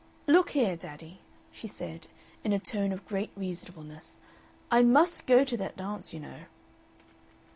"Look here, daddy," she said, in a tone of great reasonableness, "I MUST go to that dance, you know."